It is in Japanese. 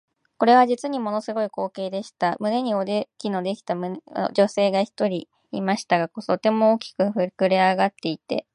これは実にもの凄い光景でした。胸におできのできた女が一人いましたが、とても大きく脹れ上っていて、